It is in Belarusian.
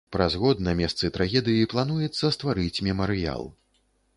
Праз год на месцы трагедыі плануецца стварыць мемарыял.